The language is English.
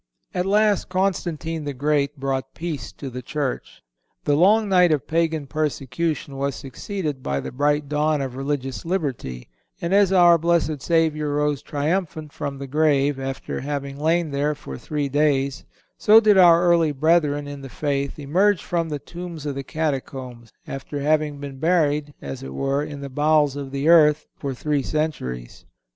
At last Constantine the Great brought peace to the Church. The long night of Pagan persecution was succeeded by the bright dawn of religious liberty, and as our Blessed Savior rose triumphant from the grave, after having lain there for three days, so did our early brethren in the faith emerge from the tombs of the catacombs, after having been buried, as it were, in the bowels of the earth for three centuries.